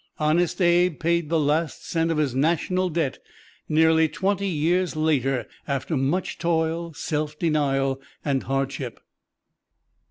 "Honest Abe" paid the last cent of his "national debt" nearly twenty years later, after much toil, self denial and hardship.